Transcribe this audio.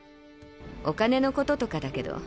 お金のこととかだけど。